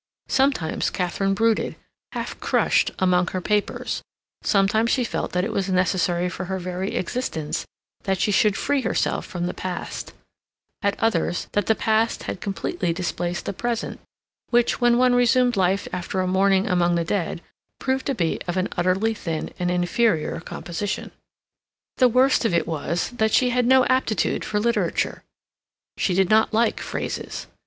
Sometimes Katharine brooded, half crushed, among her papers; sometimes she felt that it was necessary for her very existence that she should free herself from the past; at others, that the past had completely displaced the present, which, when one resumed life after a morning among the dead, proved to be of an utterly thin and inferior composition. The worst of it was that she had no aptitude for literature. She did not like phrases.